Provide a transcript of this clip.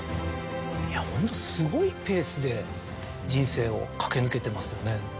いやホントすごいペースで人生を駆け抜けてますよね。